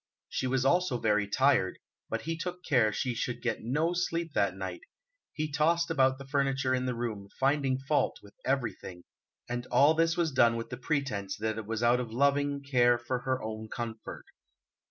She was also very tired, but he took care she should get no sleep that night; he tossed about the furniture in the room, finding fault with everything; and all this was done with the pretence that it was out of loving care for her own comfort.